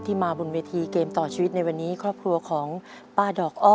มาบนเวทีเกมต่อชีวิตในวันนี้ครอบครัวของป้าดอกอ้อ